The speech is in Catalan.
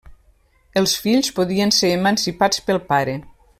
Els fills podien ser emancipats pel pare.